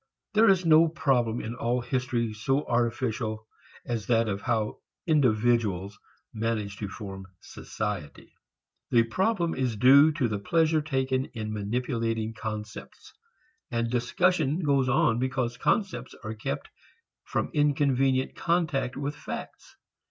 There is no problem in all history so artificial as that of how "individuals" manage to form "society." The problem is due to the pleasure taken in manipulating concepts, and discussion goes on because concepts are kept from inconvenient contact with facts.